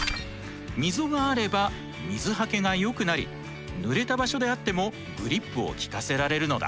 溝があれば水はけがよくなりぬれた場所であってもグリップを利かせられるのだ。